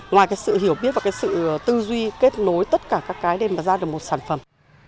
ngoài cái sự hiểu biết và cái sự tư duy kết nối tất cả các cái để mà ra được một sản phẩm